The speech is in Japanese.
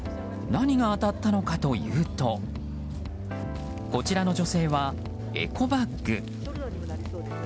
何が当たったのかというとこちらの女性はエコバッグ。